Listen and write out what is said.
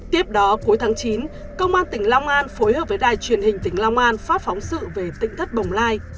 tiếp đó cuối tháng chín công an tỉnh long an phối hợp với đài truyền hình tỉnh long an phát phóng sự về tỉnh thất bồng lai